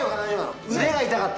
腕が痛かった。